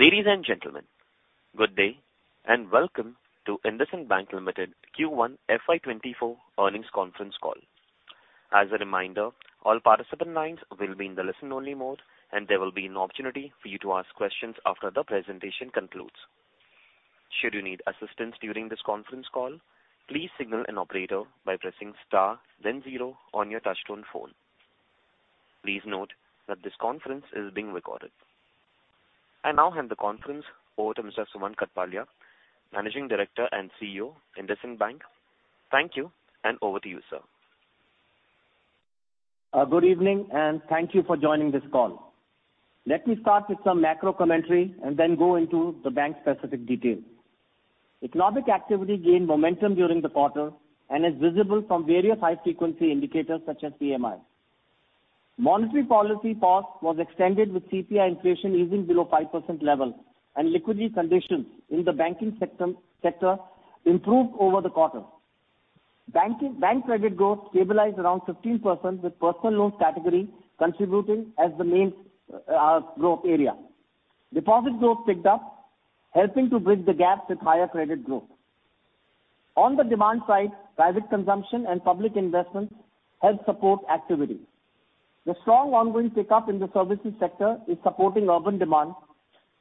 Ladies and gentlemen, good day, welcome to IndusInd Bank Limited Q1 FY 24 earnings conference call. As a reminder, all participant lines will be in the listen-only mode, there will be an opportunity for you to ask questions after the presentation concludes. Should you need assistance during this conference call, please signal an operator by pressing star then zero on your touchtone phone. Please note that this conference is being recorded. I now hand the conference over to Mr. Sumant Kathpalia, Managing Director and CEO, IndusInd Bank. Thank you, over to you, sir. Good evening, and thank you for joining this call. Let me start with some macro commentary and then go into the bank-specific detail. Economic activity gained momentum during the quarter and is visible from various high-frequency indicators, such as PMI. Monetary policy pause was extended with CPI inflation easing below 5% level, and liquidity conditions in the banking sector improved over the quarter. Bank credit growth stabilized around 15%, with personal loans category contributing as the main growth area. Deposit growth picked up, helping to bridge the gap with higher credit growth. On the demand side, private consumption and public investments help support activity. The strong ongoing pickup in the services sector is supporting urban demand,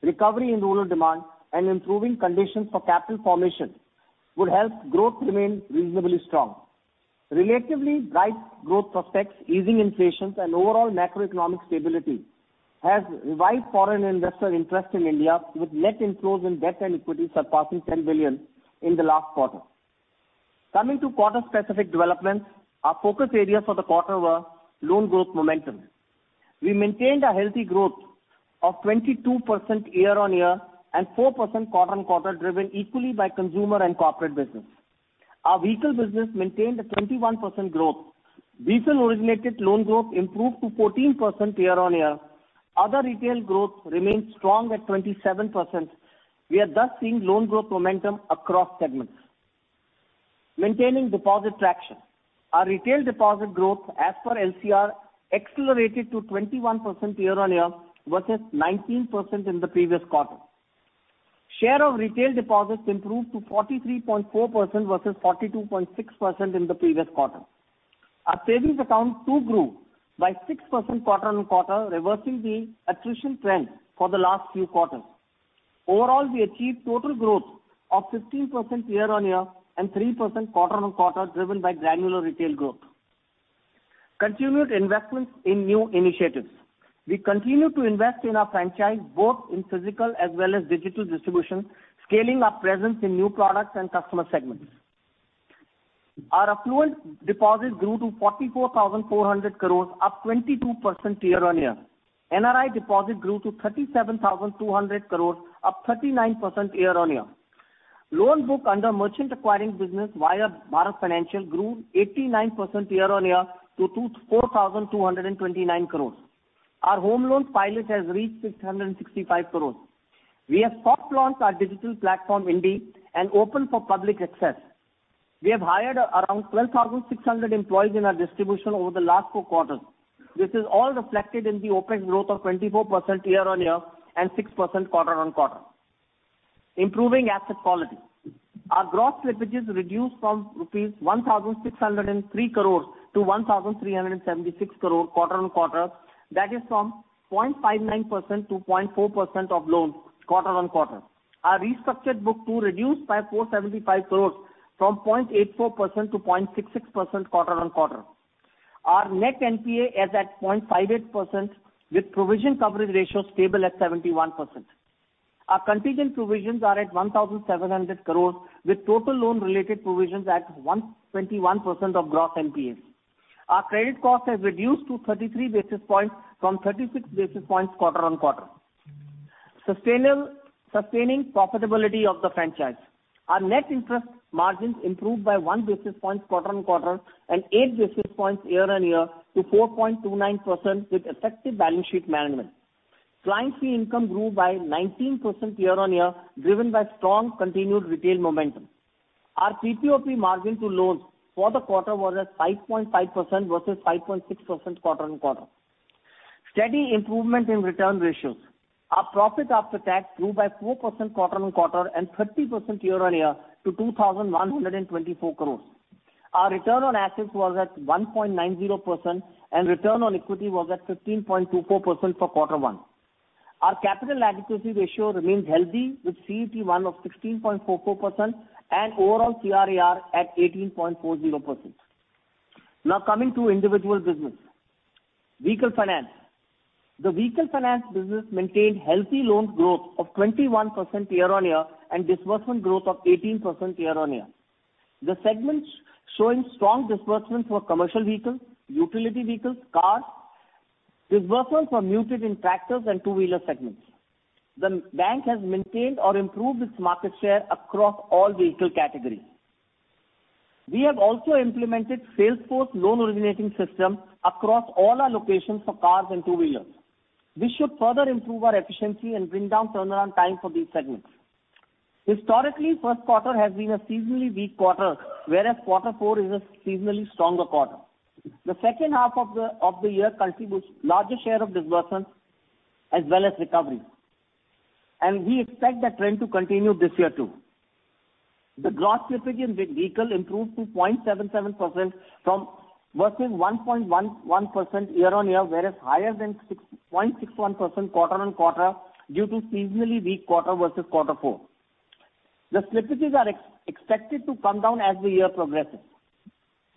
recovery in rural demand, and improving conditions for capital formation would help growth remain reasonably strong. Relatively bright growth prospects, easing inflation, and overall macroeconomic stability has revised foreign investor interest in India, with net inflows in debt and equity surpassing 10 billion in the last quarter. Coming to quarter-specific developments, our focus areas for the quarter were loan growth momentum. We maintained a healthy growth of 22% year-on-year and 4% quarter-on-quarter, driven equally by consumer and corporate business. Our vehicle business maintained a 21% growth. Vehicle-originated loan growth improved to 14% year-on-year. Other retail growth remains strong at 27%. We are thus seeing loan growth momentum across segments. Maintaining deposit traction. Our retail deposit growth, as per LCR, accelerated to 21% year-on-year versus 19% in the previous quarter. Share of retail deposits improved to 43.4% versus 42.6% in the previous quarter. Our savings account too grew by 6% quarter-on-quarter, reversing the attrition trend for the last few quarters. Overall, we achieved total growth of 15% year-on-year and 3% quarter-on-quarter, driven by granular retail growth. Continued investments in new initiatives. We continue to invest in our franchise, both in physical as well as digital distribution, scaling our presence in new products and customer segments. Our affluent deposits grew to 44,400 crores, up 22% year-on-year. NRI deposits grew to 37,200 crores, up 39% year-on-year. Loan book under merchant acquiring business via Bharat Financial grew 89% year-on-year to 4,229 crores. Our home loans pilot has reached 665 crores. We have soft launched our digital platform, INDIE, and open for public access. We have hired around 12,600 employees in our distribution over the last four quarters. This is all reflected in the OpEx growth of 24% year-on-year and 6% quarter-on-quarter. Improving asset quality. Our gross slippages reduced from INR 1,603 crores to 1,376 crore quarter-on-quarter. That is from 0.59% to 0.4% of loans, quarter-on-quarter. Our restructured book too reduced by 475 crores from 0.84% to 0.66% quarter-on-quarter. Our net NPA is at 0.58%, with provision coverage ratio stable at 71%. Our contingent provisions are at 1,700 crores, with total loan-related provisions at 121% of gross NPAs. Our credit cost has reduced to 33 basis points from 36 basis points quarter-on-quarter. Sustaining profitability of the franchise. Our net interest margins improved by one basis point quarter-on-quarter and eight basis points year-on-year to 4.29% with effective balance sheet management. Client fee income grew by 19% year-on-year, driven by strong continued retail momentum. Our PPOP margin to loans for the quarter was at 5.5% versus 5.6% quarter-on-quarter. Steady improvement in return ratios. Our profit after tax grew by 4% quarter-on-quarter and 30% year-on-year to 2,124 crores. Our return on assets was at 1.90%, and return on equity was at 15.24% for Q1. Our capital adequacy ratio remains healthy, with CET1 of 16.44% and overall CRAR at 18.40%. Coming to individual business. Vehicle finance. The vehicle finance business maintained healthy loan growth of 21% year-on-year and disbursement growth of 18% year-on-year. The segments showing strong disbursements were commercial vehicles, utility vehicles, cars. Disbursement were muted in tractors and two-wheeler segments. The bank has maintained or improved its market share across all vehicle categories. We have also implemented Salesforce loan originating system across all our locations for cars and two-wheelers. This should further improve our efficiency and bring down turnaround time for these segments. Historically, 1st quarter has been a seasonally weak quarter, whereas Q4 is a seasonally stronger quarter. The second half of the year contributes larger share of disbursements as well as recovery, we expect that trend to continue this year, too. The gross slippage in vehicle improved to 0.77% versus 1.11% year-on-year, whereas higher than 0.61% quarter-on-quarter, due to seasonally weak quarter versus Q4. The slippages are expected to come down as the year progresses.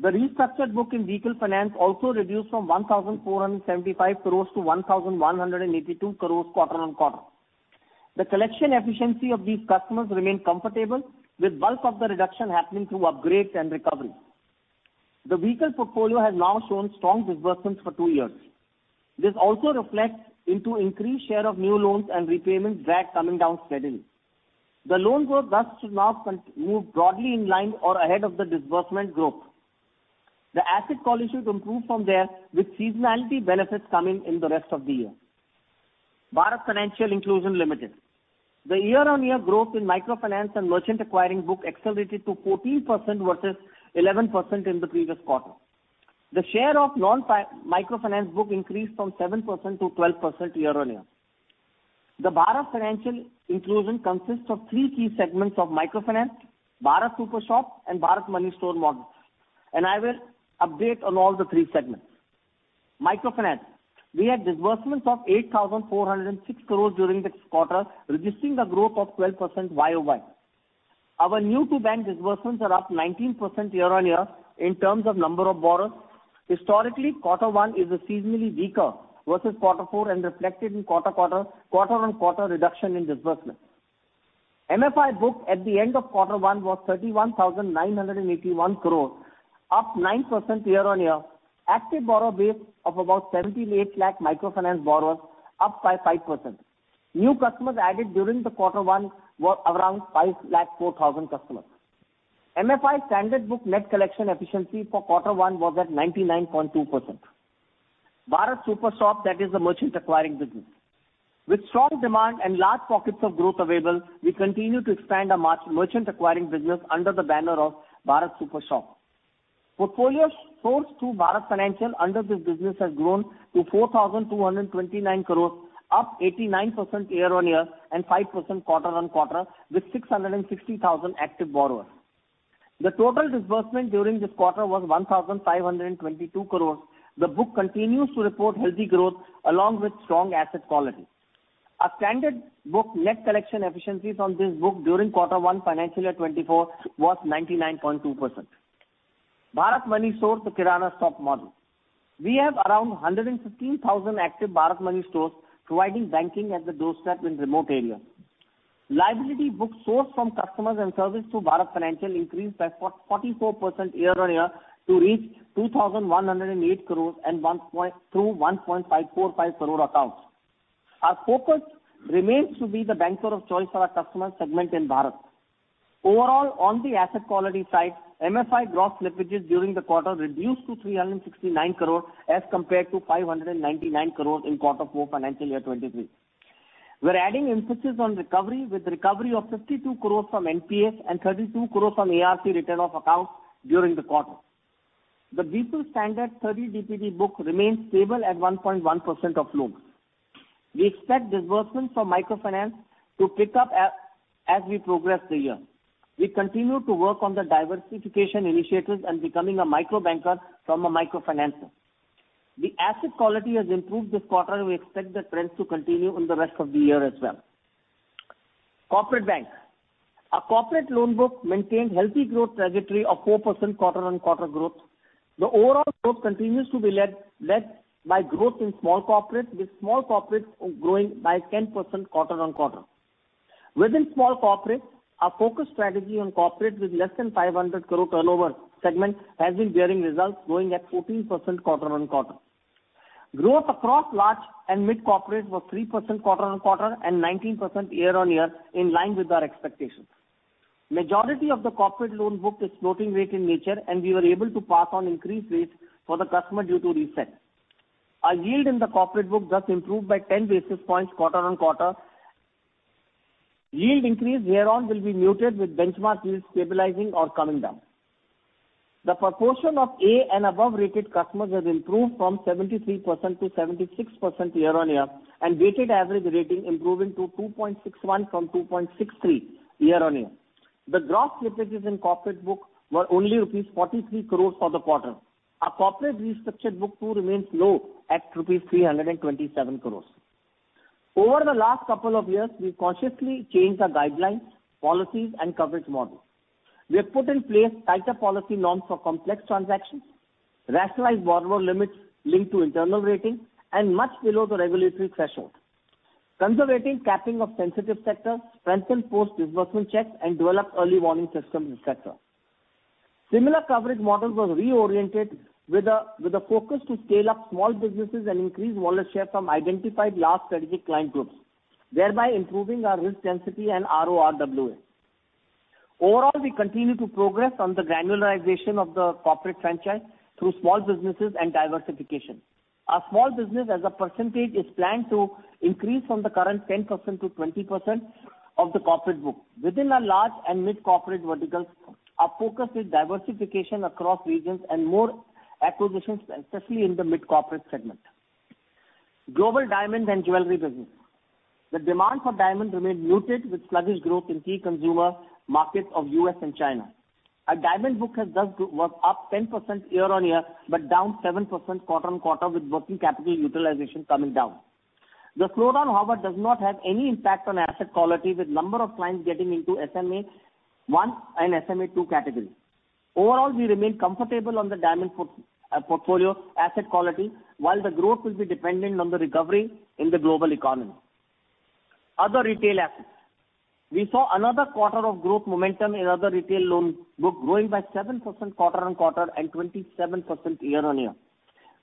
The restructured book in vehicle finance also reduced from 1,475 crores to 1,182 crores quarter-on-quarter. The collection efficiency of these customers remained comfortable, with bulk of the reduction happening through upgrades and recovery. The vehicle portfolio has now shown strong disbursements for two years. This also reflects into increased share of new loans and repayment drag coming down steadily. The loan growth thus should now move broadly in line or ahead of the disbursement growth. The asset quality should improve from there, with seasonality benefits coming in the rest of the year. Bharat Financial Inclusion Limited. The year-on-year growth in microfinance and merchant acquiring book accelerated to 14% versus 11% in the previous quarter. The share of microfinance book increased from 7% to 12% year-on-year. The Bharat Financial Inclusion consists of three key segments of microfinance, BharatSuperShop, and Bharat MoneyStore models. I will update on all the three segments. Microfinance. We had disbursements of 8,406 crores during this quarter, registering a growth of 12% YOY. Our new-to-bank disbursements are up 19% year-on-year in terms of number of borrowers. Historically, Quarter 1 is a seasonally weaker versus Quarter 4 and reflected in quarter-on-quarter reduction in disbursements. MFI book at the end of Q1 was 31,981 crores, up 9% year-on-year. Active borrower base of about 78 lakh microfinance borrowers, up by 5%. New customers added during the Q1 were around 504,000 customers. MFI standard book net collection efficiency for Q1 was at 99.2%. BharatSuperShop, that is a merchant acquiring business. With strong demand and large pockets of growth available, we continue to expand our merchant acquiring business under the banner of BharatSuperShop. Portfolios sourced through Bharat Financial under this business has grown to 4,229 crores, up 89% year-on-year and 5% quarter-on-quarter, with 660,000 active borrowers. The total disbursement during this quarter was 1,522 crores. The book continues to report healthy growth along with strong asset quality. Our standard book net collection efficiencies on this book during Q1, financial year 2024, was 99.2%. Bharat MoneyStore, the kirana stock model. We have around 115,000 active Bharat MoneyStores providing banking at the doorstep in remote areas. Liability book sourced from customers and serviced through Bharat Financial increased by 44% year-on-year to reach 2,108 crore and 1.545 crore accounts. Our focus remains to be the banker of choice for our customer segment in Bharat. Overall, on the asset quality side, MFI gross slippages during the quarter reduced to 369 crore, as compared to 599 crore in Q4, financial year 2023. We're adding emphasis on recovery, with recovery of 52 crores from NPAs and 32 crores from ARC return of accounts during the quarter. The vehicle standard 30 DPD book remains stable at 1.1% of loans. We expect disbursements from microfinance to pick up as we progress the year. We continue to work on the diversification initiatives and becoming a micro banker from a micro financer. The asset quality has improved this quarter, and we expect the trends to continue in the rest of the year as well. Corporate bank. Our corporate loan book maintained healthy growth trajectory of 4% quarter-on-quarter growth. The overall growth continues to be led by growth in small corporates, with small corporates growing by 10% quarter-on-quarter. Within small corporates, our focus strategy on corporates with less than 500 crore turnover segment has been bearing results, growing at 14% quarter-on-quarter. Growth across large and mid corporates was 3% quarter-on-quarter and 19% year-on-year, in line with our expectations. Majority of the corporate loan book is floating rate in nature, and we were able to pass on increased rates for the customer due to reset. Our yield in the corporate book thus improved by 10 basis points quarter-on-quarter. Yield increase year-on will be muted, with benchmark yields stabilizing or coming down. The proportion of A and above-rated customers has improved from 73% to 76% year-on-year, and weighted average rating improving to 2.61 from 2.63 year-on-year. The gross slippages in corporate book were only rupees 43 crore for the quarter. Our corporate restructured book, too, remains low at rupees 327 crores. Over the last couple of years, we've consciously changed our guidelines, policies, and coverage model. We have put in place tighter policy norms for complex transactions, rationalized borrower limits linked to internal rating and much below the regulatory threshold, conservative capping of sensitive sectors, strengthened post-disbursement checks, and developed early warning systems, et cetera. Similar coverage models were reoriented with a focus to scale up small businesses and increase wallet share from identified large strategic client groups, thereby improving our risk density and RORWA. Overall, we continue to progress on the granularization of the corporate franchise through small businesses and diversification. Our small business, as a percentage, is planned to increase from the current 10% to 20% of the corporate book. Within our large and mid-corporate verticals, our focus is diversification across regions and more acquisitions, especially in the mid-corporate segment. Global diamond and jewelry business. The demand for diamond remained muted, with sluggish growth in key consumer markets of US and China. Our diamond book has thus grew, was up 10% year-on-year, but down 7% quarter-on-quarter, with working capital utilization coming down. The slowdown, however, does not have any impact on asset quality, with number of clients getting into SMA-1 and SMA-2 categories. Overall, we remain comfortable on the diamond portfolio asset quality, while the growth will be dependent on the recovery in the global economy. Other retail assets. We saw another quarter of growth momentum in other retail loan book, growing by 7% quarter-on-quarter and 27% year-on-year.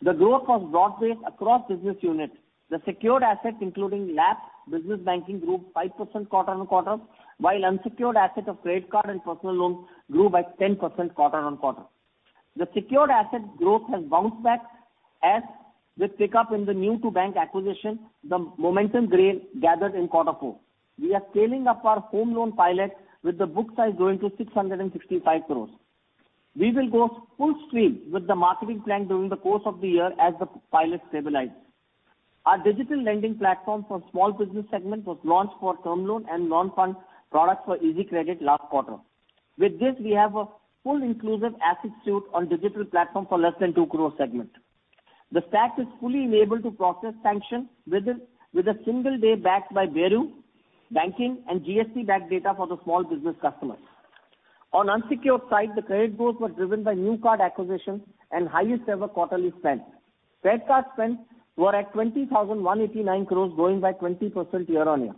The growth was broad-based across business units. The secured assets, including LAP, business banking, grew 5% quarter-on-quarter, while unsecured assets of trade card and personal loans grew by 10% quarter-on-quarter. The secured assets growth has bounced back as with pickup in the new to bank acquisition, the momentum gain gathered in Q4. We are scaling up our home loan pilot with the book size growing to 665 crore. We will go full steam with the marketing plan during the course of the year as the pilot stabilizes. Our digital lending platform for small business segment was launched for term loan and non-fund products for easy credit last quarter. With this, we have a full inclusive asset suite on digital platform for less than 2 crore segment. The stack is fully enabled to process sanctions with a single day backed by Bureau, banking, and GST-backed data for the small business customers. On unsecured side, the credit growth was driven by new card acquisitions and highest ever quarterly spend. Credit card spends were at 20,189 crores, growing by 20% year-on-year.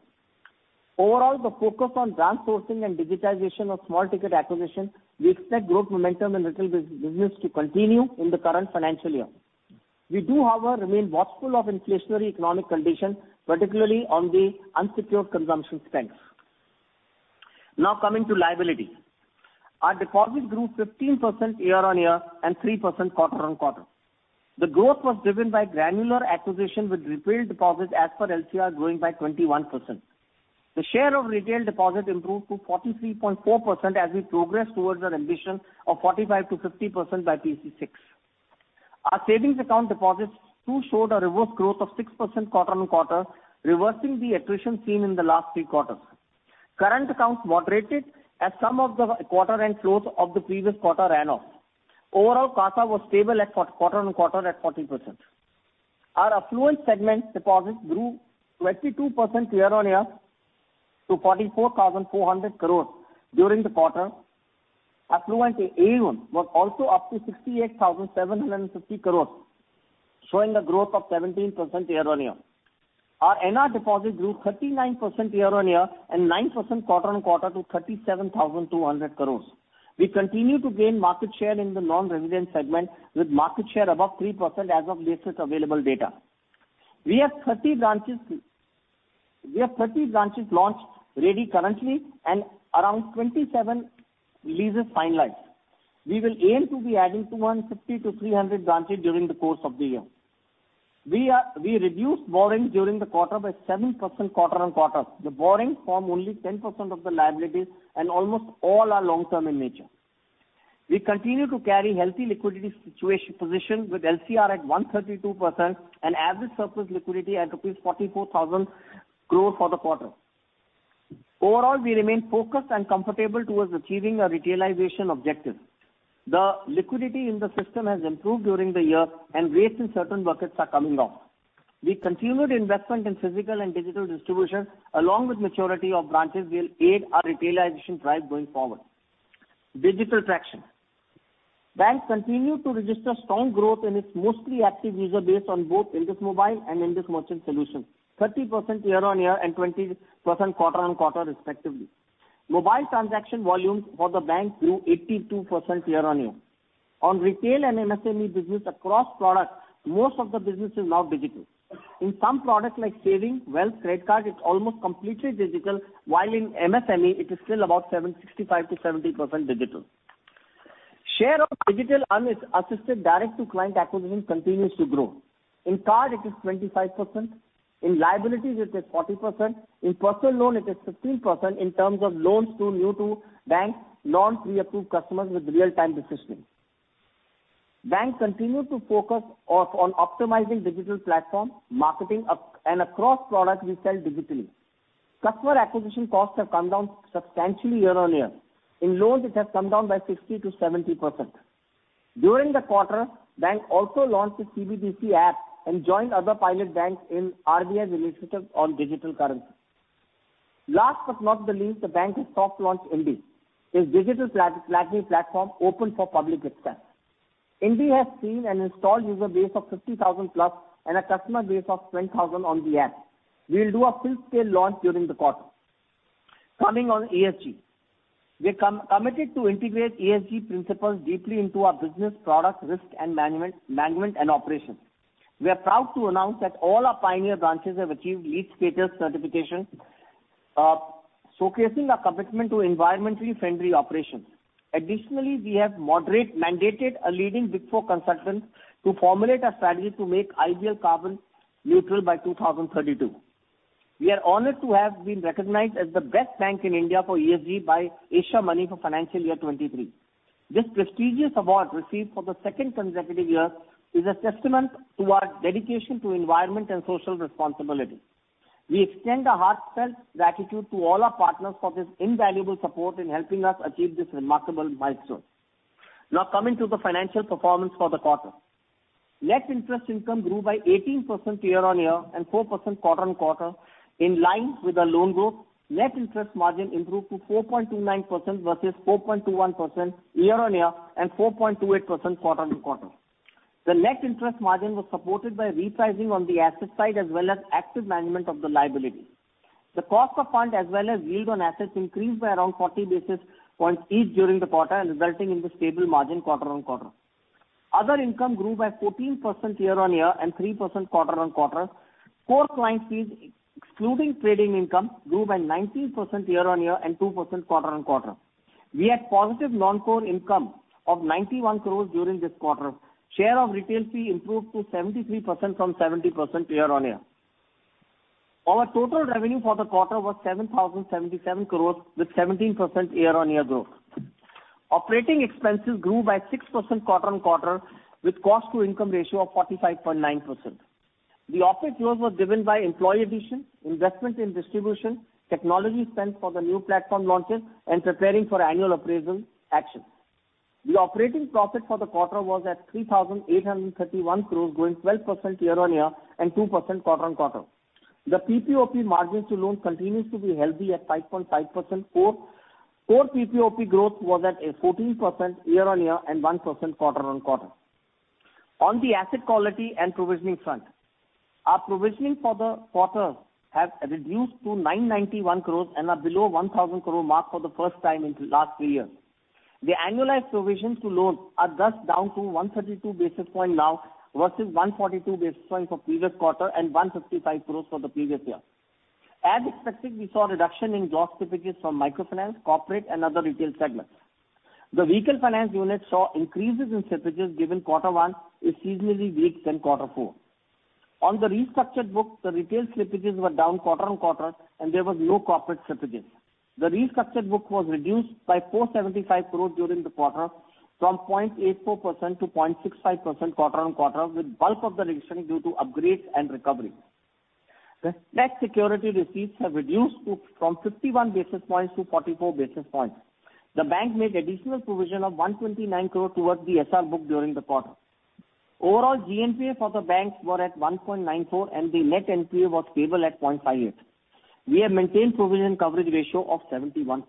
Overall, the focus on ramp sourcing and digitization of small ticket acquisition, we expect growth momentum in retail business to continue in the current financial year. We do, however, remain watchful of inflationary economic conditions, particularly on the unsecured consumption spends. Now, coming to liability. Our deposits grew 15% year-on-year and 3% quarter-on-quarter. The growth was driven by granular acquisition, with retail deposits as per LCR growing by 21%. The share of retail deposits improved to 43.4% as we progress towards our ambition of 45%-50% by PC-6. Our savings account deposits too showed a reverse growth of 6% quarter-on-quarter, reversing the attrition seen in the last 3 quarters. Current accounts moderated as some of the quarter-end flows of the previous quarter ran off. Overall, CASA was stable quarter-on-quarter at 40%. Our affluent segment deposits grew 22% year-on-year to 44,400 crores during the quarter. Affluent AUM was also up to 68,750 crores, showing a growth of 17% year-on-year. Our NR deposits grew 39% year-on-year and 9% quarter-on-quarter to 37,200 crores. We continue to gain market share in the non-resident segment, with market share above 3% as of latest available data. We have 30 branches launched ready currently and around 27 leases finalized. We will aim to be adding 250 to 300 branches during the course of the year. We reduced borrowings during the quarter by 7% quarter-on-quarter. The borrowings form only 10% of the liabilities, and almost all are long-term in nature. We continue to carry healthy liquidity position, with LCR at 132% and average surplus liquidity at rupees 44,000 crores for the quarter. Overall, we remain focused and comfortable towards achieving our retailization objective. The liquidity in the system has improved during the year and rates in certain buckets are coming down. The continued investment in physical and digital distribution, along with maturity of branches, will aid our retailization drive going forward. Digital traction. Bank continued to register strong growth in its mostly active user base on both IndusMobile and Indus Merchant Solutions, 30% year-on-year and 20% quarter-on-quarter, respectively. Mobile transaction volume for the bank grew 82% year-on-year. Retail and MSME business across products, most of the business is now digital. In some products like savings, wealth, credit card, it's almost completely digital, while in MSME it is still about 65%-70% digital. Share of digital on its assisted direct-to-client acquisition continues to grow. Card, it is 25%, in liabilities it is 40%, in personal loan it is 15% in terms of loans to new to bank, loans pre-approved customers with real-time decisions. Bank continued to focus on optimizing digital platform, marketing, and across products we sell digitally. Customer acquisition costs have come down substantially year-on-year. In loans, it has come down by 60%-70%. During the quarter, Bank also launched its CBDC app and joined other pilot banks in RBI's initiative on digital currency. Last but not the least, the Bank has soft launched INDIE, its digital platinum platform, open for public access. INDIE has seen an installed user base of 50,000 plus and a customer base of 10,000 on the app. We'll do a full-scale launch during the quarter. Coming on ESG. We're committed to integrate ESG principles deeply into our business, product, risk, and management and operations. We are proud to announce that all our pioneer branches have achieved LEED status certification, showcasing our commitment to environmentally friendly operations. Additionally, we have mandated a leading Big Four consultant to formulate a strategy to make IDBI carbon neutral by 2032. We are honored to have been recognized as the best bank in India for ESG by Asiamoney for financial year 2023. This prestigious award, received for the second consecutive year, is a testament to our dedication to environment and social responsibility. We extend a heartfelt gratitude to all our partners for this invaluable support in helping us achieve this remarkable milestone. Coming to the financial performance for the quarter. Net interest income grew by 18% year-on-year and 4% quarter-on-quarter, in line with the loan growth. Net interest margin improved to 4.29% versus 4.21% year-on-year and 4.28% quarter-on-quarter. The net interest margin was supported by repricing on the asset side as well as active management of the liability. The cost of fund, as well as yield on assets, increased by around 40 basis points each during the quarter, resulting in the stable margin quarter-on-quarter. Other income grew by 14% year-on-year and 3% quarter-on-quarter. Core client fees, excluding trading income, grew by 19% year-on-year and 2% quarter-on-quarter. We had positive non-core income of 91 crores during this quarter. Share of retail fee improved to 73% from 70% year-on-year. Our total revenue for the quarter was 7,077 crores with 17% year-on-year growth. Operating expenses grew by 6% quarter-on-quarter, with cost-to-income ratio of 45.9%. The operating floors were driven by employee addition, investment in distribution, technology spent for the new platform launches, and preparing for annual appraisal action. The operating profit for the quarter was at 3,831 crores, growing 12% year-on-year and 2% quarter-on-quarter. The PPOP margins to loans continues to be healthy at 5.5%. Core PPOP growth was at a 14% year-on-year and 1% quarter-on-quarter. On the asset quality and provisioning front, our provisioning for the quarter have reduced to 991 crores and are below 1,000 crore mark for the first time in the last 3 years. The annualized provisions to loans are thus down to 132 basis points now, versus 142 basis points for previous quarter and 155 crores for the previous year. As expected, we saw a reduction in gross slippages from microfinance, corporate, and other retail segments. The vehicle finance unit saw increases in slippages, given Q1 is seasonally weak than Q4. On the restructured book, the retail slippages were down quarter-on-quarter, and there were no corporate slippages. The restructured book was reduced by 475 crore during the quarter, from 0.84% to 0.65% quarter-on-quarter, with bulk of the reduction due to upgrades and recovery. The net security receipts have reduced to, from 51 basis points to 44 basis points. The bank made additional provision of 129 crore towards the SR book during the quarter. Overall, GNPA for the banks were at 1.94%, and the net NPA was stable at 0.58%. We have maintained provision coverage ratio of 71%.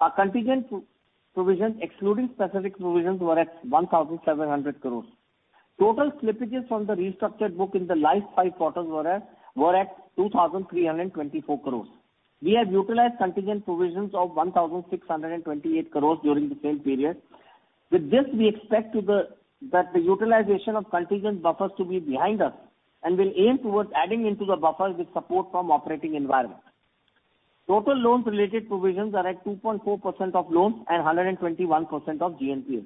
Our contingent pro-provision, excluding specific provisions, were at 1,700 crore. Total slippages from the restructured book in the last five quarters were at 2,324 crore. We have utilized contingent provisions of 1,628 crore during the same period. With this, we expect that the utilization of contingent buffers to be behind us and will aim towards adding into the buffers with support from operating environment. Total loans related provisions are at 2.4% of loans and 121% of GNPA.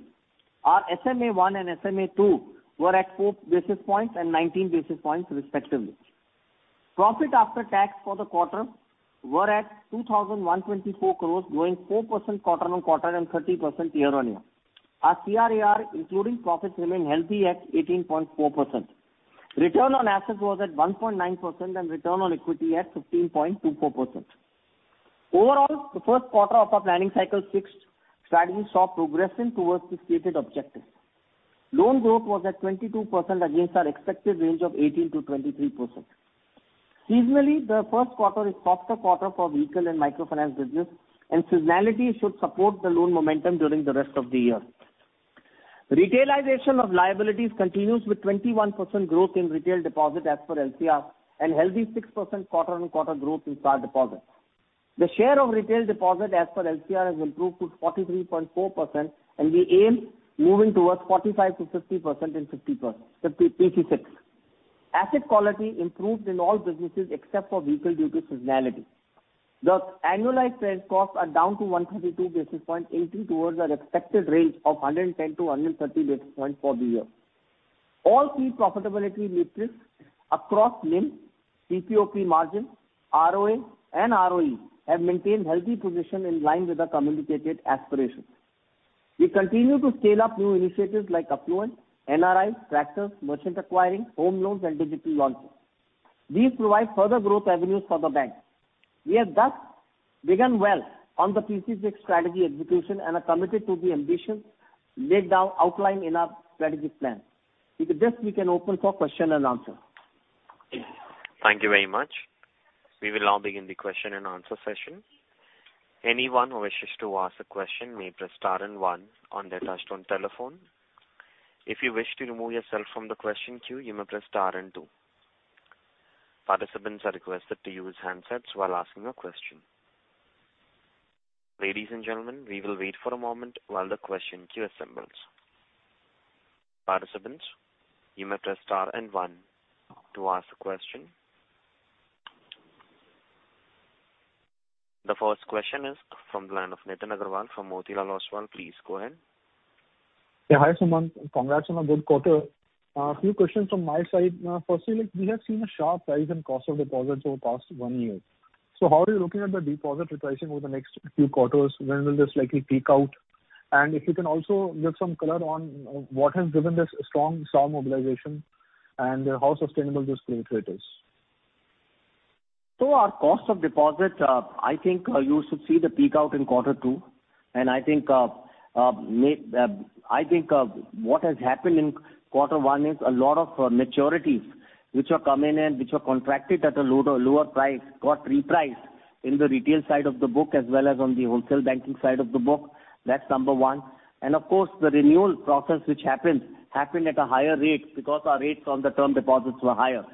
Our SMA-1 and SMA-2 were at 4 basis points and 19 basis points respectively. Profit after tax for the quarter were at 2,124 crore, growing 4% quarter-on-quarter and 13% year-on-year. Our CRAR, including profits, remain healthy at 18.4%. Return on assets was at 1.9% and return on equity at 15.24%. Overall, the first quarter of our planning cycle fixed strategy saw progression towards the stated objectives. Loan growth was at 22% against our expected range of 18%-23%. Seasonally, the first quarter is softer quarter for vehicle and microfinance business. Seasonality should support the loan momentum during the rest of the year. Retailization of liabilities continues with 21% growth in retail deposits as per LCR, and healthy 6% quarter-on-quarter growth in our deposits. The share of retail deposits as per LCR has improved to 43.4%, and we aim moving towards 45%-50% in 2026. Asset quality improved in all businesses except for vehicle due to seasonality. The annualized credit costs are down to 132 basis points, entering towards our expected range of 110-130 basis points for the year. All key profitability metrics across NIM, PPOP margin, ROA, and ROE have maintained healthy position in line with our communicated aspirations. We continue to scale up new initiatives like affluent, NRIs, tractors, merchant acquiring, home loans, and digital launches. These provide further growth avenues for the bank. We have thus begun well on the '26 strategy execution, and are committed to the ambition laid down, outlined in our strategic plan. With this, we can open for question and answer. Thank you very much. We will now begin the question and answer session. Anyone who wishes to ask a question may press star and 1 on their touchtone telephone. If you wish to remove yourself from the question queue, you may press star and 2. Participants are requested to use handsets while asking a question. Ladies and gentlemen, we will wait for a moment while the question queue assembles. Participants, you may press star and 1 to ask the question. The first question is from the line of Nitin Agarwal from Motilal Oswal. Please go ahead. Yeah, hi, Sumant. Congrats on a good quarter. A few questions from my side. Firstly, we have seen a sharp rise in cost of deposits over the past one year. How are you looking at the deposit repricing over the next few quarters? When will this likely peak out? If you can also give some color on what has driven this strong mobilization, and how sustainable this growth rate is. Our cost of deposit, I think, you should see the peak out in Q2, and I think, what has happened in Q1 is a lot of maturities which have come in and which are contracted at a low, lower price, got repriced in the retail side of the book as well as on the wholesale banking side of the book. That's number one. Of course, the renewal process which happened at a higher rate because our rates on the term deposits were higher.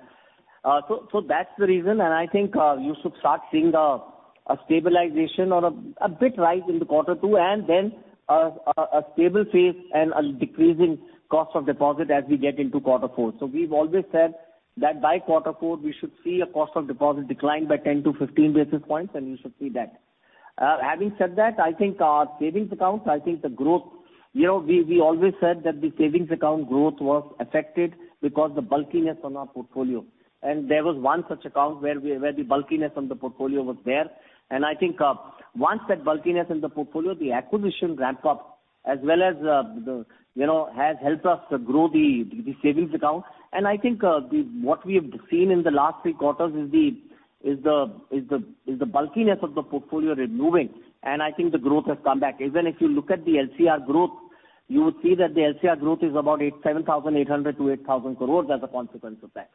So that's the reason, and I think, you should start seeing a stabilization or a bit rise in the Q2, and then a stable phase and a decrease in cost of deposit as we get into Q4. We've always said that by Q4, we should see a cost of deposit decline by 10-15 basis points, and you should see that. Having said that, I think our savings accounts, I think the growth, you know, we always said that the savings account growth was affected because the bulkiness on our portfolio. There was one such account where the bulkiness on the portfolio was there. I think, once that bulkiness in the portfolio, the acquisition ramp up, as well as, you know, has helped us to grow the savings account. I think, what we have seen in the last three quarters is the bulkiness of the portfolio removing, and I think the growth has come back. Even if you look at the LCR growth, you would see that the LCR growth is about 7,800 crores-8,000 crores as a consequence of that.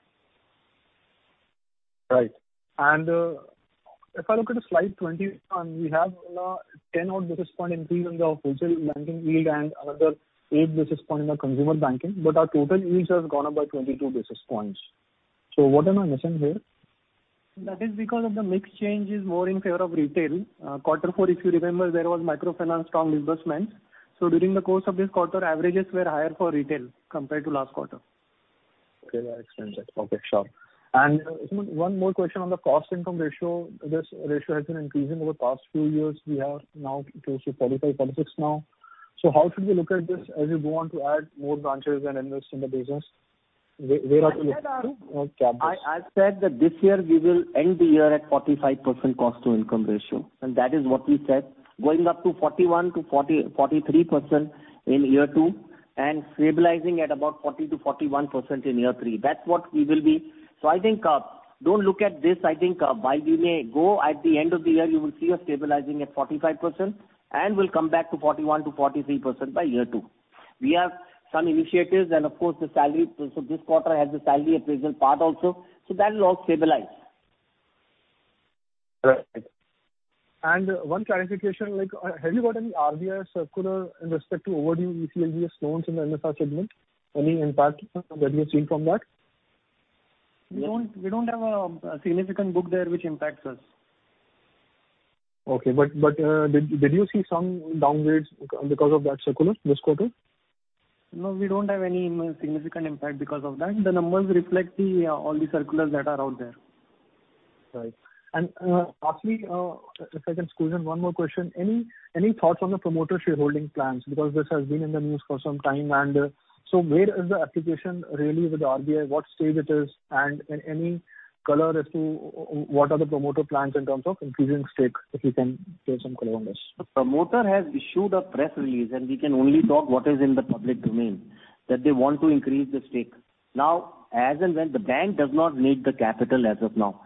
Right. If I look at the slide 20, and we have, 10 odd basis point increase in the wholesale lending yield and another 8 basis point in the consumer banking, but our total yields has gone up by 22 basis points. What am I missing here? That is because of the mix change is more in favor of retail. Q4, if you remember, there was microfinance strong disbursements. During the course of this quarter, averages were higher for retail compared to last quarter. Okay, that explains it. Okay, sure. One more question on the cost-income ratio. This ratio has been increasing over the past few years. We have now it is 45%, 46% now. How should we look at this as you go on to add more branches and invest in the business? Where are you- I said that this year we will end the year at 45% cost to income ratio, and that is what we said, going up to 41%-43% in year 2, and stabilizing at about 40%-41% in year 3. That's what we will be. I think, don't look at this. I think, while we may go at the end of the year, you will see us stabilizing at 45%, and we'll come back to 41%-43% by year 2. We have some initiatives and of course, the salary, so this quarter has the salary appraisal part also, so that will all stabilize. Right. One clarification, like, have you got any RBI circular in respect to overdue UCBs loans in the MSME segment? Any impact that you have seen from that? We don't have a significant book there which impacts us. Okay. did you see some downgrades because of that circular this quarter? No, we don't have any significant impact because of that. The numbers reflect the all the circulars that are out there. Right. Lastly, if I can squeeze in one more question. Any thoughts on the promoter shareholding plans? Because this has been in the news for some time, where is the application really with the RBI? What stage it is, and any color as to what are the promoter plans in terms of increasing stake, if you can give some color on this? The promoter has issued a press release, and we can only talk what is in the public domain, that they want to increase the stake. As and when, the bank does not need the capital as of now.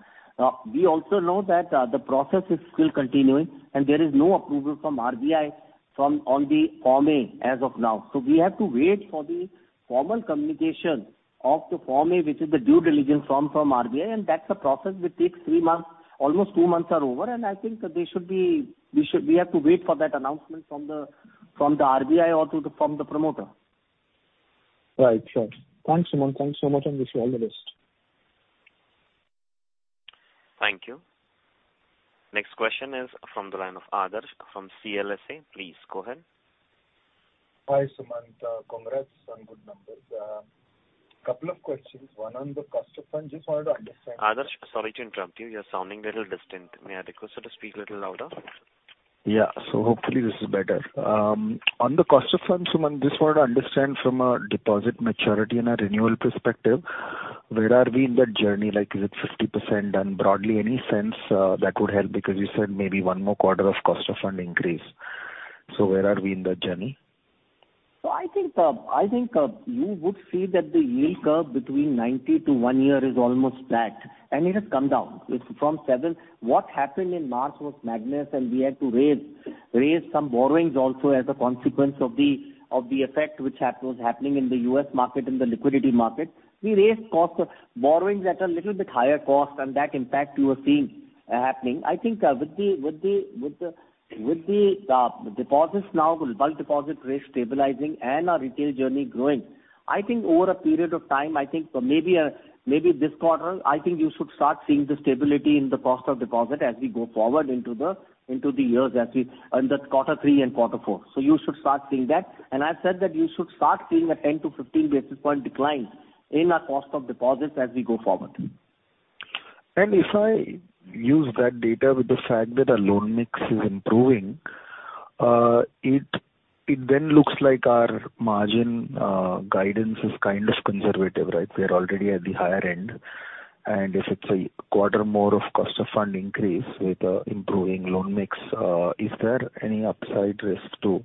We also know that the process is still continuing, and there is no approval from RBI from on the Form A, as of now. We have to wait for the formal communication of the Form A, which is the due diligence form from RBI. That's a process which takes three months. Almost two months are over, and I think they should be, we have to wait for that announcement from the RBI or from the promoter. Right. Sure. Thanks, Sumant. Thanks so much, and wish you all the best. Thank you. Next question is from the line of Adarsh from CLSA. Please go ahead. Hi, Suman, congrats on good numbers. Couple of questions. One on the cost of funds, just wanted to understand. Adarsh, sorry to interrupt you. You're sounding a little distant. May I request you to speak a little louder? Yeah. Hopefully this is better. On the cost of funds, Suman, just want to understand from a deposit maturity and a renewal perspective, where are we in that journey? Like, is it 50%? Broadly, any sense that would help, because you said maybe one more quarter of cost of fund increase. Where are we in that journey? I think, I think, you would see that the yield curve between 90 to 1 year is almost flat, and it has come down. It's from 7... What happened in March was Magnus, and we had to raise some borrowings also as a consequence of the effect which was happening in the U.S. market and the liquidity market. We raised cost of borrowings at a little bit higher cost, and that impact you are seeing happening. I think, with the deposits now, the bulk deposit rate stabilizing and our retail journey growing, I think over a period of time, I think for maybe this quarter, I think you should start seeing the stability in the cost of deposit as we go forward into the years as we, in quarter 3 and quarter 4. You should start seeing that. I've said that you should start seeing a 10 to 15 basis point decline in our cost of deposits as we go forward. If I use that data with the fact that our loan mix is improving, it then looks like our margin guidance is kind of conservative, right? We are already at the higher end. If it's a quarter more of cost of fund increase with the improving loan mix, is there any upside risk to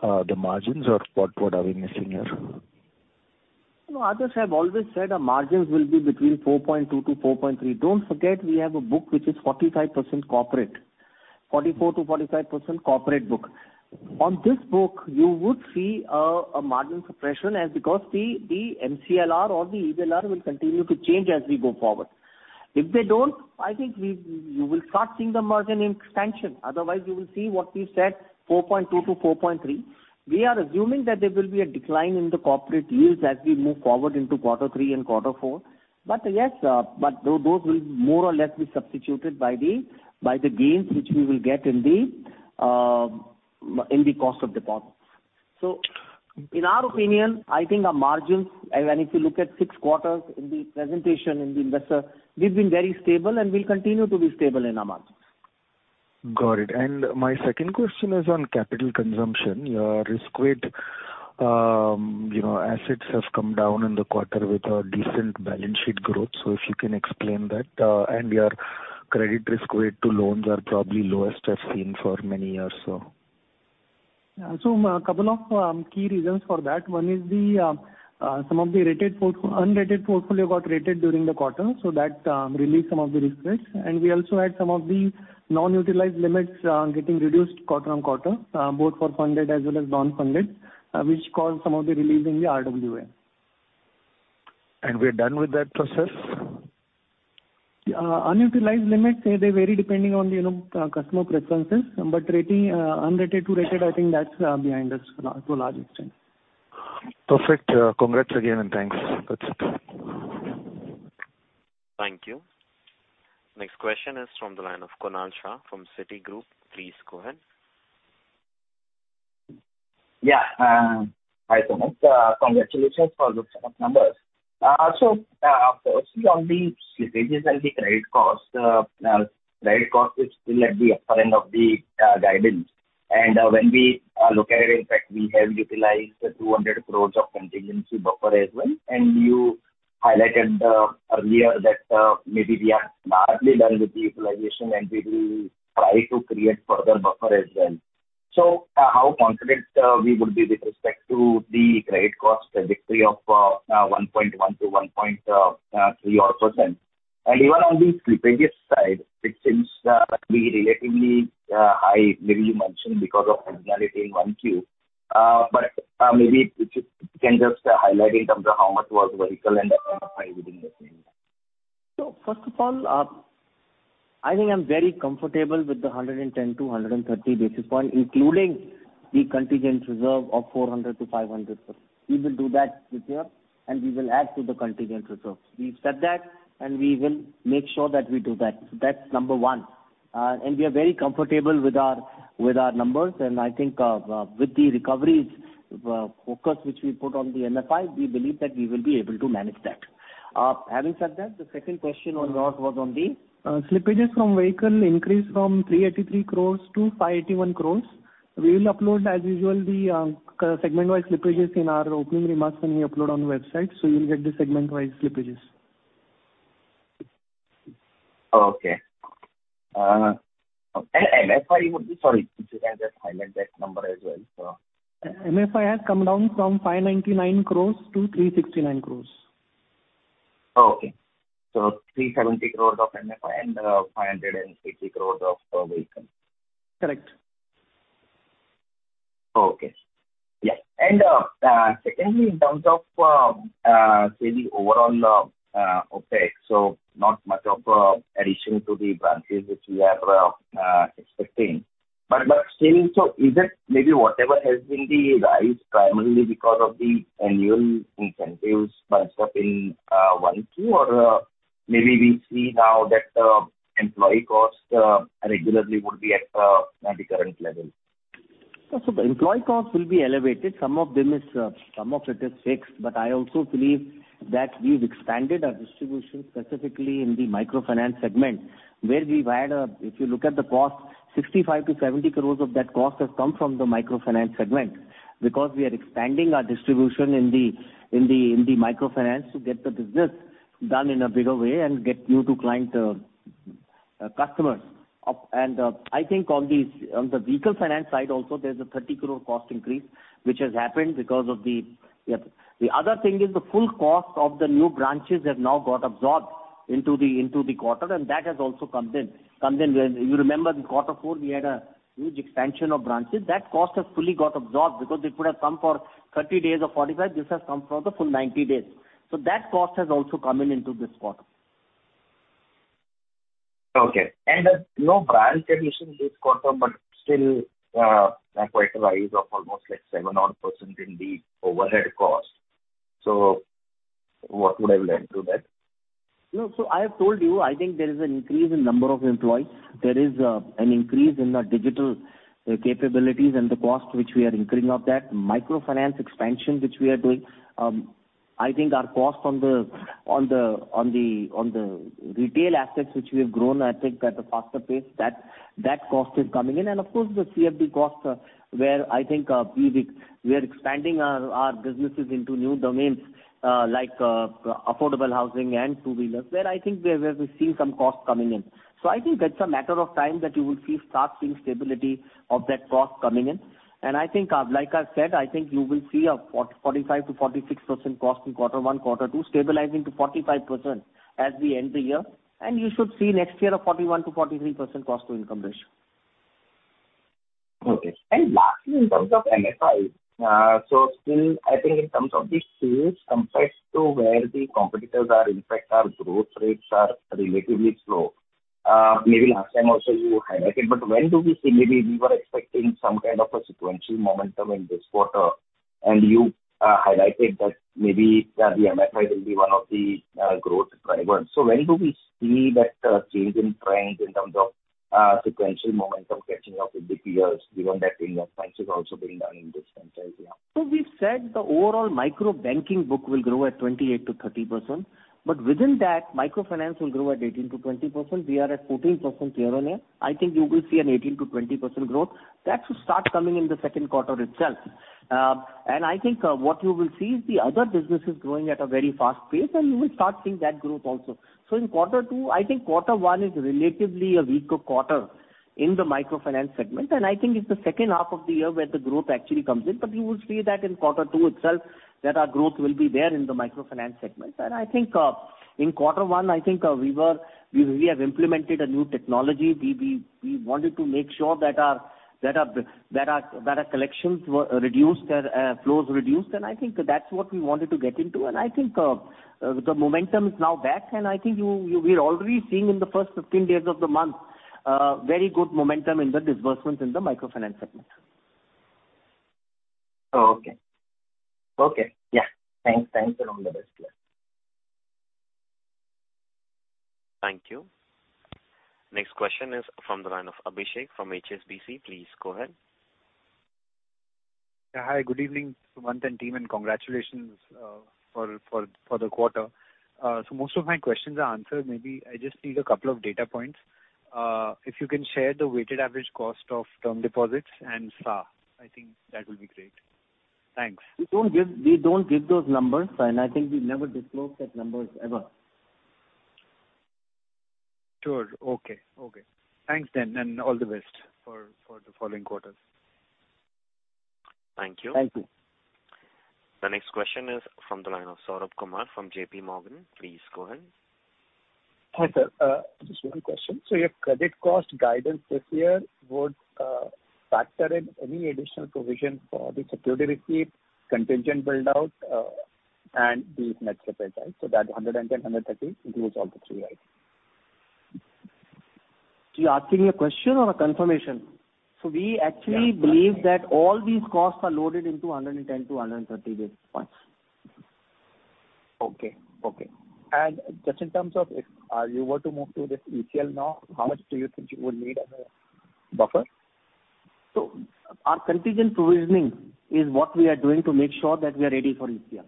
the margins or what are we missing here? No, I just have always said our margins will be between 4.2%-4.3%. Don't forget we have a book which is 45% corporate, 44%-45% corporate book. On this book, you would see a margin suppression as because the MCLR or the EBLR will continue to change as we go forward. If they don't, I think you will start seeing the margin expansion, otherwise you will see what we've said, 4.2%-4.3%. We are assuming that there will be a decline in the corporate yields as we move forward into Q3 and Q4. Yes, those will more or less be substituted by the gains which we will get in the cost of deposits. In our opinion, I think our margins, when if you look at 6 quarters in the presentation in the investor, we've been very stable and will continue to be stable in our margins. Got it. My second question is on capital consumption. Your risk weight, you know, assets have come down in the quarter with a decent balance sheet growth, so if you can explain that. Your credit risk weight to loans are probably lowest I've seen for many years. Yeah. A couple of key reasons for that. One is the some of the unrated portfolio got rated during the quarter, so that relieved some of the risk weights. We also had some of the non-utilized limits getting reduced quarter-on-quarter, both for funded as well as non-funded, which caused some of the relief in the RWA. We're done with that process? Unutilized limits, they vary depending on the, you know, customer preferences, but rating, unrated to rated, I think that's behind us for a large extent. Perfect. congrats again, and thanks. That's it. Thank you. Next question is from the line of Kunal Shah from Citigroup. Please go ahead. Yeah, hi, Sumant. Congratulations for those set of numbers. Firstly, on the slippages and the credit costs, credit cost is still at the upper end of the guidance. When we look at it, in fact, we have utilized 200 crores of contingency buffer as well. You highlighted earlier that maybe we are largely done with the utilization, and we will try to create further buffer as well. How confident we would be with respect to the credit cost trajectory of 1.1-1.3 odd percent? Even on the slippages side, it seems to be relatively high. Maybe you mentioned because of seasonality in 1Q. Maybe if you can just highlight in terms of how much was vehicle and MFI within the same? First of all, I think I'm very comfortable with the 110 to 130 basis point, including the contingent reserve of 400 crore-500 crore. We will do that this year. We will add to the contingent reserve. We've said that. We will make sure that we do that. That's number one. We are very comfortable with our, with our numbers, and I think, with the recovery, focus which we put on the MFI, we believe that we will be able to manage that. Having said that, the second question on yours was on the? Slippages from vehicle increased from 383 crores to 581 crores. We will upload, as usual, the segment-wise slippages in our opening remarks when we upload on the website, so you will get the segment-wise slippages. Okay. MFI would be, sorry, if you can just highlight that number as well. MFI has come down from 599 crores to 369 crores. Okay. 370 crores of MFI and 560 crores of vehicle. Correct. Okay. Yeah. Secondly, in terms of, say, the overall OpEx, not much of addition to the branches which we are expecting. But still, is that maybe whatever has been the rise primarily because of the annual incentives bunched up in 1, 2? Maybe we see now that employee costs regularly would be at the current level. The employee costs will be elevated. Some of them is, some of it is fixed, but I also believe that we've expanded our distribution, specifically in the microfinance segment, where we've added if you look at the cost, 65 crore-70 crore of that cost has come from the microfinance segment because we are expanding our distribution in the microfinance to get the business done in a bigger way and get new to client customers. I think on the vehicle finance side also, there's a 30 crore cost increase, which has happened because of the. Yep. The other thing is the full cost of the new branches has now got absorbed into the quarter, and that has also come in. When you remember in Q4, we had a huge expansion of branches. That cost has fully got absorbed because it would have come for 30 days or 45. This has come for the full 90 days. That cost has also come in into this quarter. Okay. There's no branch acquisition this quarter, but still, a quite a rise of almost like 7 odd % in the overhead cost. What would I learn through that? I have told you, I think there is an increase in number of employees. There is an increase in our digital capabilities and the cost which we are incurring of that. Microfinance expansion, which we are doing. I think our cost on the retail assets which we have grown, I think at a faster pace, that cost is coming in. Of course, the CFD costs are where I think we are expanding our businesses into new domains, like affordable housing and two-wheelers, where I think we have, we've seen some costs coming in. I think that's a matter of time that you will see, start seeing stability of that cost coming in. I think, like I said, I think you will see a 45%-46% cost in Q1, Q2, stabilizing to 45% as we end the year. You should see next year a 41%-43% cost-to-income ratio. Okay. Lastly, in terms of MFI, still, I think in terms of the sales compared to where the competitors are, in fact, our growth rates are relatively slow. Last time also you highlighted, when do we see? We were expecting some kind of a sequential momentum in this quarter, and you highlighted that the MFI will be one of the growth drivers. When do we see that change in trend in terms of sequential momentum catching up with the peers, given that investment is also being done in this franchise now? We've said the overall micro banking book will grow at 28%-30%, but within that, microfinance will grow at 18%-20%. We are at 14% year-on-year. I think you will see an 18%-20% growth. That should start coming in the second quarter itself. I think, what you will see is the other businesses growing at a very fast pace, and you will start seeing that growth also. In Q2, I think Q1 is relatively a weaker quarter in the microfinance segment, and I think it's the second half of the year where the growth actually comes in. You will see that in Q2 itself, that our growth will be there in the microfinance segment. I think, in Q1, I think, we have implemented a new technology. We wanted to make sure that our collections were reduced and flows reduced, and I think that's what we wanted to get into. I think, the momentum is now back, and I think you. We're already seeing in the first 15 days of the month, very good momentum in the disbursements in the microfinance segment. Oh, okay. Okay, yeah. Thanks, thanks, and all the best to you. Thank you. Next question is from the line of Abhishek from HSBC. Please go ahead. Hi, good evening, Sumant and team, congratulations for the quarter. Most of my questions are answered. Maybe I just need a couple of data points. If you can share the weighted average cost of term deposits and SA, I think that would be great. Thanks. We don't give those numbers. I think we never disclose that numbers ever. Sure. Okay, okay. Thanks then, and all the best for the following quarters. Thank you. Thank you. The next question is from the line of Saurabh Kumar from JP Morgan. Please go ahead. Hi, sir. Just one question. Your credit cost guidance this year would factor in any additional provision for the security receipt, contingent build out, and these net surplus, right? That 110-130 basis points includes all the three, right? You're asking a question or a confirmation? Yeah. believe that all these costs are loaded into 110 to 130 basis points. Okay, okay. Just in terms of if, you were to move to this ECL now, how much do you think you would need as a buffer? Our contingent provisioning is what we are doing to make sure that we are ready for ECL.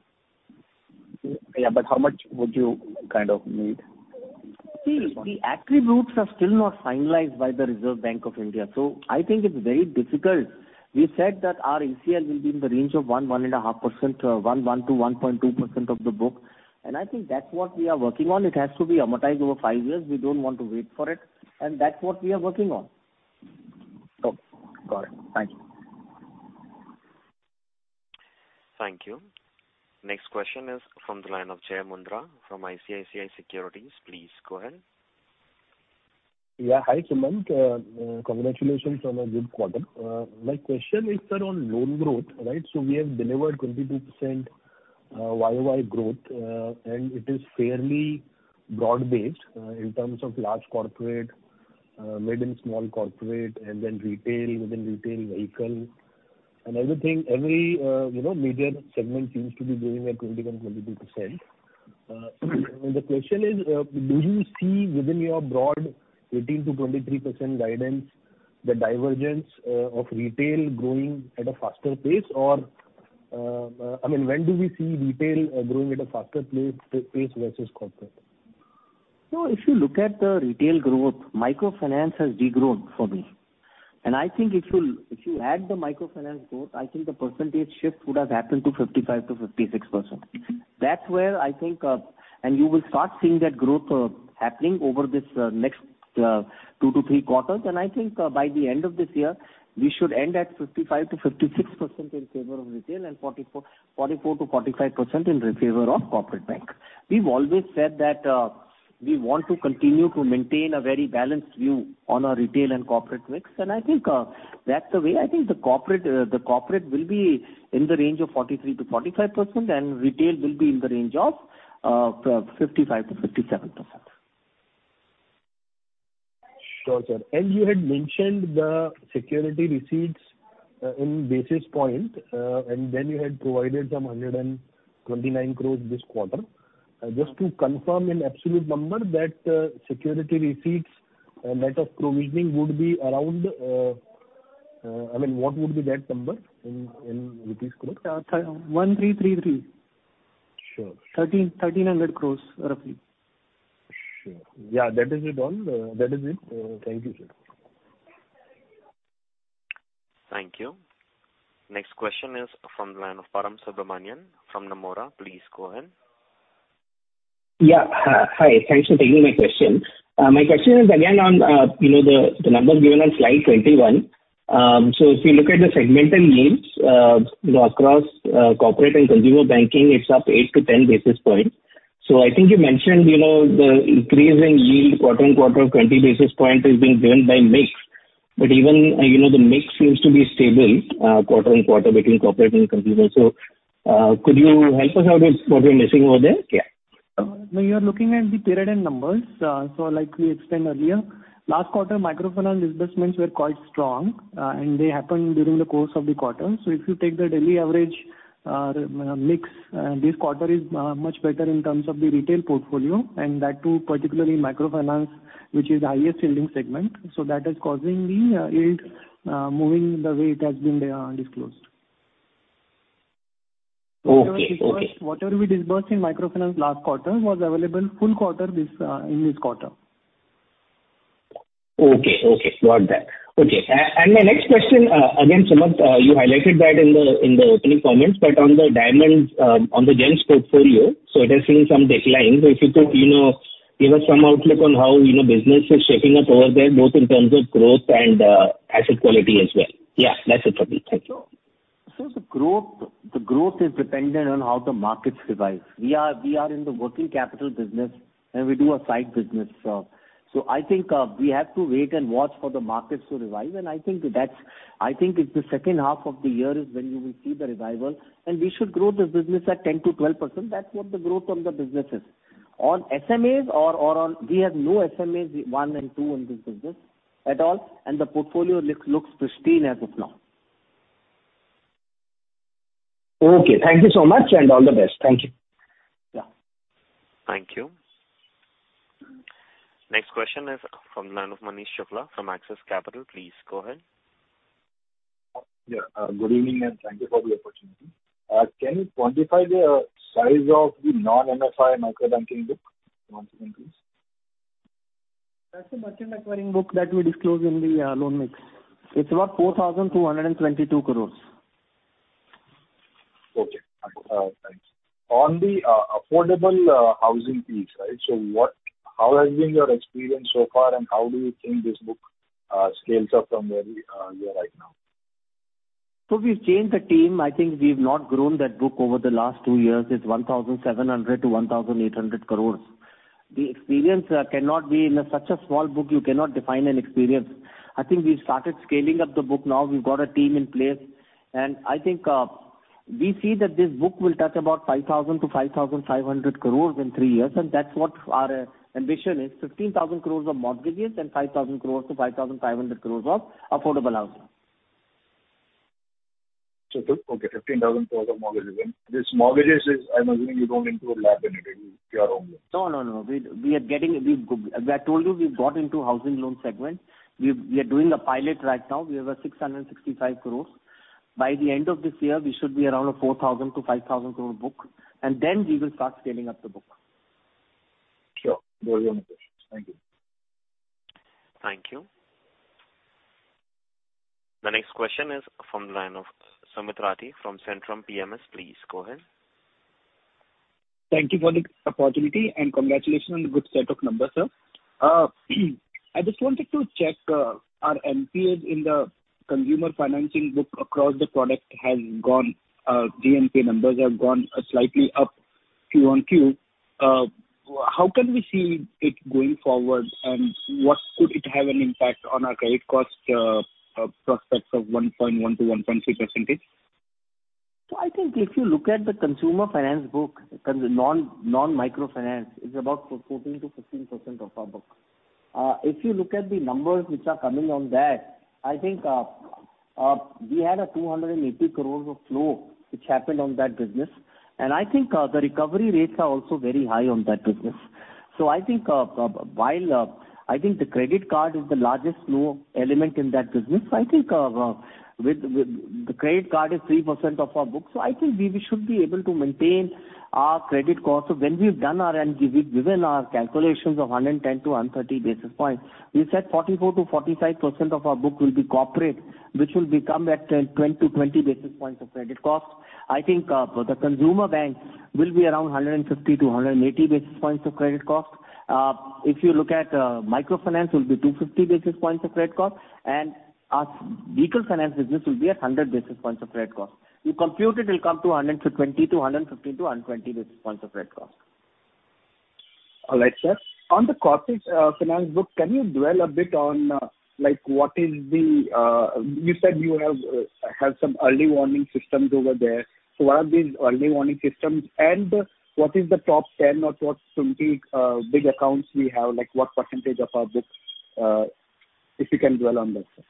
Yeah, how much would you kind of need? The attributes are still not finalized by the Reserve Bank of India. I think it's very difficult. We said that our ECL will be in the range of 1% to 1.2% of the book. I think that's what we are working on. It has to be amortized over five years. We don't want to wait for it. That's what we are working on. Oh. Got it. Thank you. Thank you. Next question is from the line of Jai Prakash Mundhra from ICICI Securities. Please go ahead. Yeah. Hi, Sumant. Congratulations on a good quarter. My question is that on loan growth, right? We have delivered 22%, Y-o-Y growth, and it is fairly broad-based, in terms of large corporate, medium, small corporate, and then retail, within retail, vehicle. Everything, every, you know, major segment seems to be growing at 21%, 22%. The question is, do you see within your broad 18%-23% guidance, the divergence of retail growing at a faster pace? I mean, when do we see retail growing at a faster pace versus corporate? No, if you look at the retail growth, microfinance has degrown for me. I think if you add the microfinance growth, I think the percentage shift would have happened to 55%-56%. That's where I think. You will start seeing that growth happening over this next 2 to 3 quarters. I think by the end of this year, we should end at 55%-56% in favor of retail and 44%-45% in favor of corporate bank. We've always said that we want to continue to maintain a very balanced view on our retail and corporate mix, and I think that's the way. I think the corporate will be in the range of 43%-45%, and retail will be in the range of 55%-57%. Sure, sir. You had mentioned the security receipts, in basis point, and then you had provided some 129 crores this quarter. Just to confirm in absolute number, that security receipts, net of provisioning would be around. I mean, what would be that number in rupees crore? Uh, one three three three. Sure. 1,300 crore, roughly. Sure. Yeah, that is it all. That is it. Thank you, sir. Thank you. Next question is from the line of Param Subramanian from Nomura. Please go ahead. Yeah. Hi. Thanks for taking my question. My question is again on, you know, the number given on slide 21. If you look at the segmental yields, you know, across corporate and consumer banking, it's up 8-10 basis points. I think you mentioned, you know, the increase in yield quarter-on-quarter of 20 basis points is being driven by mix. Even, you know, the mix seems to be stable, quarter-on-quarter between corporate and consumer. Could you help us out with what we're missing over there? Yeah. No, you're looking at the period and numbers. Like we explained earlier, last quarter, microfinance disbursements were quite strong, and they happened during the course of the quarter. If you take the daily average, mix, this quarter is much better in terms of the retail portfolio, and that too particularly microfinance, which is the highest yielding segment. That is causing the yield moving the way it has been disclosed. Okay. Okay. Whatever we disbursed in microfinance last quarter was available full quarter this in this quarter. Okay, okay. Got that. Okay. My next question, again, Sumant, you highlighted that in the opening comments, but on the diamonds, on the gems portfolio, it has seen some decline. If you could, you know, give us some outlook on how, you know, business is shaping up over there, both in terms of growth and, asset quality as well. Yeah, that's it for me. Thank you. The growth is dependent on how the markets revive. We are in the working capital business, and we do a side business. I think, we have to wait and watch for the markets to revive, and I think it's the second half of the year is when you will see the revival, and we should grow the business at 10%-12%. That's what the growth on the business is. On SMAs or on, we have no SMAs, 1 and 2 in this business at all, and the portfolio looks pristine as of now. Okay, thank you so much, and all the best. Thank you. Yeah. Thank you. Next question is from the line of Manish Shukla from Axis Capital. Please go ahead. Yeah, good evening, and thank you for the opportunity. Can you quantify the size of the non-MFI micro banking book once again, please? That's the merchant acquiring book that we disclosed in the loan mix. It's about 4,222 crores. Okay. Thanks. On the affordable housing piece, right, How has been your experience so far, and how do you think this book scales up from where we are right now? We've changed the team. I think we've not grown that book over the last two years. It's 1,700 crores-1,800 crores. The experience cannot be in a such a small book, you cannot define an experience. I think we've started scaling up the book now. We've got a team in place, and I think we see that this book will touch about 5,000 crores-5,500 crores in three years, and that's what our ambition is, 15,000 crores of mortgages and 5,000 crores-5,500 crores of affordable housing. Okay, 15,000 crore of mortgages. This mortgages is, I'm assuming you don't include LAP in it, in your own? No, no. We are getting, as I told you, we've got into housing loan segment. We are doing a pilot right now. We have 665 crore. By the end of this year, we should be around an 4,000 crore-5,000 crore book. We will start scaling up the book. Sure. Those are my questions. Thank you. Thank you. The next question is from the line of Sumit Rathi from Centrum Broking. Please go ahead. Thank you for the opportunity, and congratulations on the good set of numbers, sir. I just wanted to check, our NPAs in the consumer financing book across the product has gone, GNPA numbers have gone slightly up Q on Q. How can we see it going forward, and what could it have an impact on our credit cost, prospects of 1.1% to 1.3%? I think if you look at the Consumer Finance book, non-microfinance, it's about 14%-15% of our book. If you look at the numbers which are coming on that, I think, we had a 280 crore of flow which happened on that business. The recovery rates are also very high on that business. I think while, I think the credit card is the largest flow element in that business, the credit card is 3% of our book. I think we should be able to maintain our credit cost. When we've done our NG, we've given our calculations of 110 to 130 basis points. We said 44%-45% of our book will be corporate, which will be come at 10-20 basis points of credit cost. I think, for the consumer bank will be around 150-180 basis points of credit cost. If you look at, microfinance will be 250 basis points of credit cost, and our vehicle finance business will be at 100 basis points of credit cost. You compute it will come to 120 to 115 to 120 basis points of credit cost. All right, sir. On the corporate finance book, can you dwell a bit on, like, you said you have some early warning systems over there. What are these early warning systems, and what is the top 10 or top 20 big accounts we have, like, what % of our books? If you can dwell on that, sir.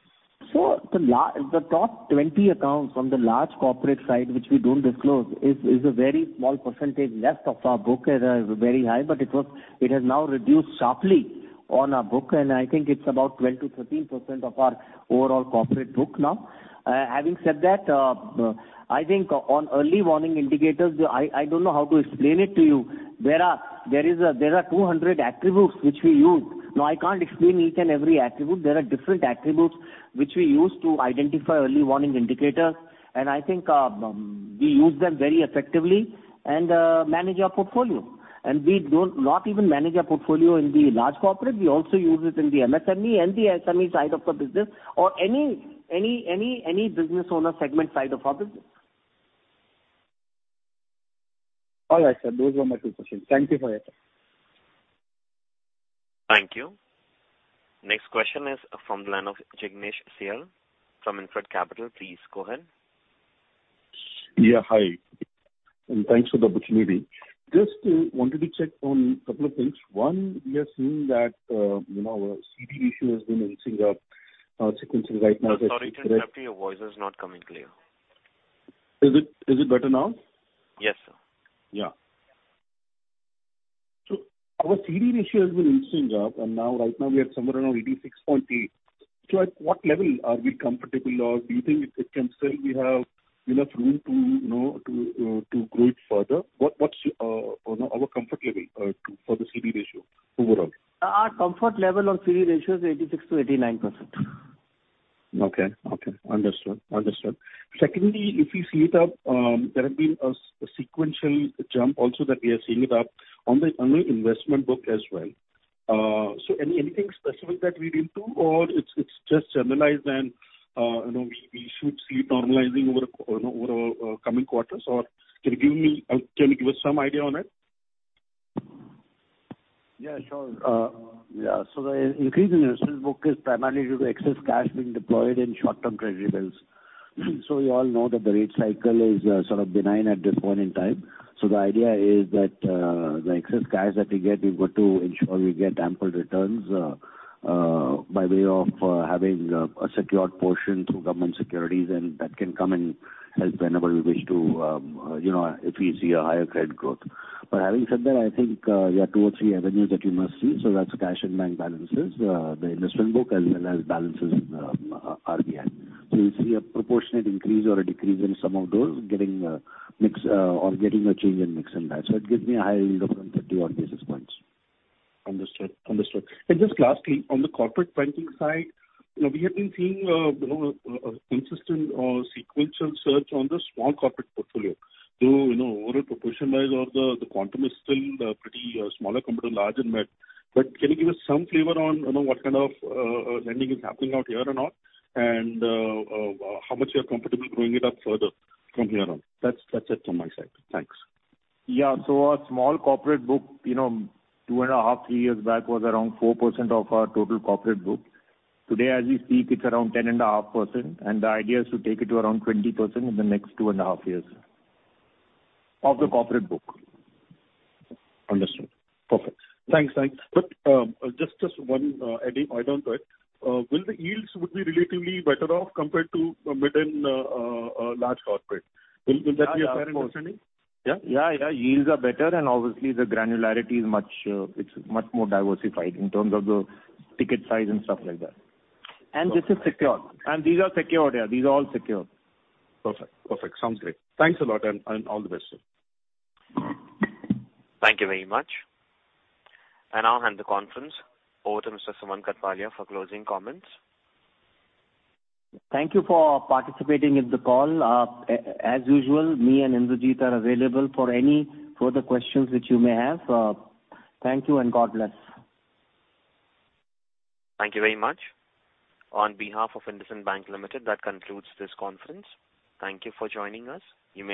The top 20 accounts from the large corporate side, which we don't disclose, is a very small percentage left of our book and very high, but it has now reduced sharply on our book, and I think it's about 12%-13% of our overall corporate book now. Having said that, I think on early warning indicators, I don't know how to explain it to you. There are 200 attributes which we use. I can't explain each and every attribute. There are different attributes which we use to identify early warning indicators, and I think we use them very effectively and manage our portfolio. We don't not even manage our portfolio in the large corporate, we also use it in the MSME and the SME side of the business or any business owner segment side of our business. All right, sir. Those were my two questions. Thank you for your time. Thank you. Next question is from the line of Jignesh Shial from InCred Capital. Please go ahead. Yeah, hi, and thanks for the opportunity. Just wanted to check on a couple of things. One, we are seeing that, you know, CD ratio has been increasing up sequentially right now. Sorry to interrupt you. Your voice is not coming clear. Is it better now? Yes, sir. Our CD ratio has been increasing up, and now right now we are somewhere around 86.8. At what level are we comfortable, or do you think it can still we have enough room to, you know, to grow it further? What, what's, you know, our comfort level, to, for the CD ratio overall? Our comfort level on CD ratio is 86%-89%. Okay. Okay. Understood. Understood. Secondly, if you see it up, there have been a sequential jump also that we are seeing it up on the investment book as well. Anything specific that we are into, or it's just generalized and, you know, we should see it normalizing over, you know, over coming quarters? Can you give me, can you give us some idea on it? Yeah, sure. Yeah, so the increase in investment book is primarily due to excess cash being deployed in short-term treasury bills. We all know that the rate cycle is sort of benign at this point in time. The idea is that the excess cash that we get, we've got to ensure we get ample returns by way of having a secured portion through government securities, and that can come and help whenever we wish to, you know, if we see a higher credit growth. Having said that, I think, yeah, two or three avenues that you must see, that's cash in bank balances, the investment book, as well as balances, RBI. You see a proportionate increase or a decrease in some of those getting mix or getting a change in mix and match. It gives me a high yield of 131 basis points. Understood. Understood. Just lastly, on the corporate banking side, you know, we have been seeing, you know, a consistent sequential search on the small corporate portfolio. you know, over a proportion size or the quantum is still pretty smaller compared to large and mid. Can you give us some flavor on, you know, what kind of lending is happening out here or not? How much you are comfortable growing it up further from here on? That's it from my side. Thanks. Our small corporate book, you know, 2.5, 3 years back was around 4% of our total corporate book. Today, as we speak, it's around 10.5%, and the idea is to take it to around 20% in the next 2.5 years. Of the corporate book. Understood. Perfect. Thanks. Thanks. Just one add on to it. Will the yields would be relatively better off compared to mid and large corporate? Will that be a fair understanding? Yeah. Yields are better. Obviously the granularity is much, it's much more diversified in terms of the ticket size and stuff like that. This is secured. These are secured. Yeah, these are all secured. Perfect. Perfect. Sounds great. Thanks a lot, and all the best to you. Thank you very much. I now hand the conference over to Mr. Sumant Kathpalia for closing comments. Thank you for participating in the call. As usual, me and Indrajit are available for any further questions which you may have. Thank you and God bless. Thank you very much. On behalf of IndusInd Bank Limited, that concludes this conference. Thank you for joining us. You may disconnect.